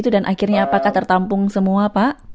akhirnya apakah tertampung semua pak